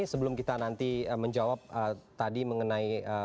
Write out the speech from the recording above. sebelum kita nanti menjawab tadi mengenai